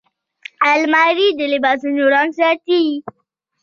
الماري د لباسونو رنګ ساتي